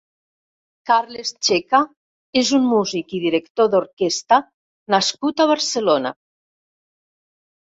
Carles Checa és un músic i director d'orquestra nascut a Barcelona.